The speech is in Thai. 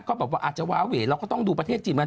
ก็แบบว่าอาจจะว้าเวเราก็ต้องดูประเทศจีนกัน